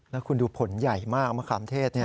แล้วคุณดูผลใหญ่มากมะขามเทศ